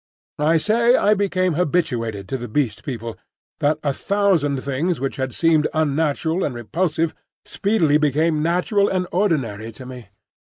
I say I became habituated to the Beast People, that a thousand things which had seemed unnatural and repulsive speedily became natural and ordinary to me.